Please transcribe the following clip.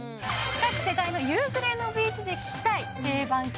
各世代の夕暮れのビーチで聴きたい定番曲８選